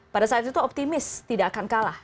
pada saat itu optimis tidak akan kalah